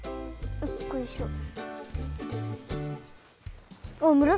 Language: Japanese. よっこいしょっと。